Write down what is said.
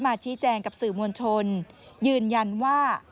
ชี้แจงกับสื่อมวลชนยืนยันว่า